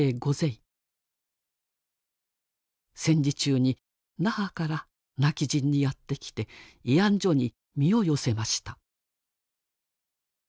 戦時中に那覇から今帰仁にやって来て慰安所に身を寄せました。